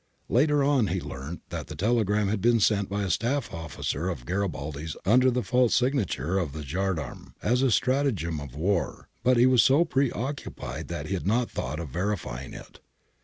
Later on he learnt that the telegram had been sent by a staff officer of Garibaldi's under the lalse signature of the gendarme, as a stratagem of war but he was so preoccupied that he had not thought of verifying It.